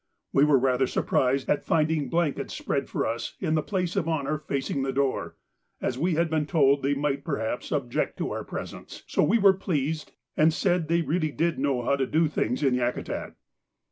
We were rather surprised at finding blankets spread for us in the place of honour facing the door, as we had been told they might perhaps object to our presence, so we were pleased and said they really did know how to do things in Yakutat.